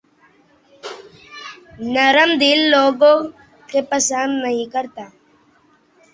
نرم دل لوگوں کے پسند نہیں کرتا